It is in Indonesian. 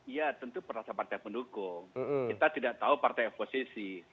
ya tentu perasaan partai pendukung kita tidak tahu partai oposisi